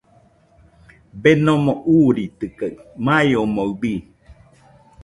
Denomo uuritɨkaɨ, mai omoɨ bii.